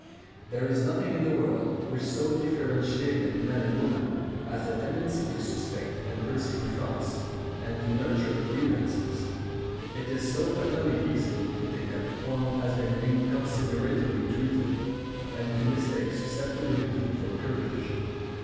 There is nothing in the world which so differentiates men and women as the tendency to suspect and perceive affronts, and to nurture grievances. It is so fatally easy to think that one has been inconsiderately treated, and to mistake susceptibility for courage.